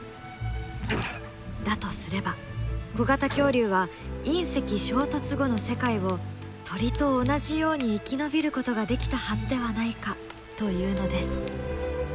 だとすれば小型恐竜は隕石衝突後の世界を鳥と同じように生き延びることができたはずではないかというのです。